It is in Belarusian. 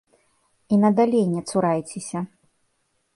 І надалей не цурайцеся.